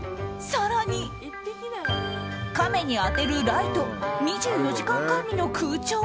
更にカメに当てるライト２４時間管理の空調。